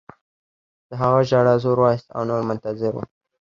د هغه ژړا زور واخیست او نور منتظر وو